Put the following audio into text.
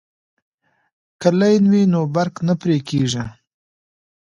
که لین وي نو برق نه پرې کیږي.